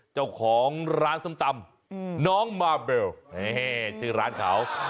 เจ้าของร้านส้มตำน้องมาเบลชื่อร้านเขา